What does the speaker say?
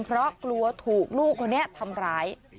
เพราะกลัวถูกลูกคนนี้ทำร้าย